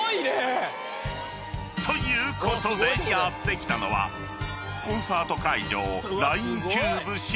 ［ということでやって来たのはコンサート会場］